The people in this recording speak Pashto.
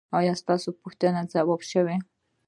ایا ستاسو پوښتنې ځواب شوې؟